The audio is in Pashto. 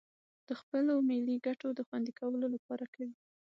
د خپلو ملي گټو د خوندي کولو لپاره کوي